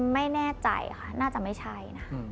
ไม่แน่ใจค่ะน่าจะไม่ใช่นะคะ